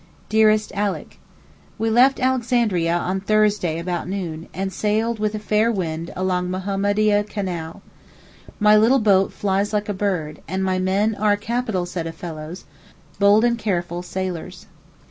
DEAREST ALICK, We left Alexandria on Thursday about noon, and sailed with a fair wind along the Mahmoudieh Canal. My little boat flies like a bird, and my men are a capital set of fellows, bold and careful sailors.